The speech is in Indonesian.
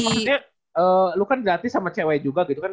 maksudnya lu kan gratis sama cewek juga gitu kan